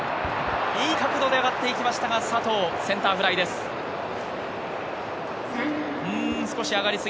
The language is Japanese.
いい角度で上がっていきましたが、佐藤、センターフライです。